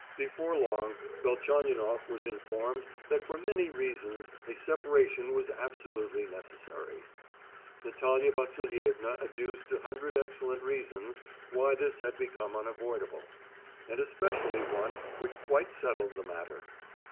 Before long Velchaninoff was informed that for many reasons a separation was absolutely necessary; Natalia Vasilievna adduced a hundred excellent reasons why this had become unavoidable—and especially one which quite settled the matter.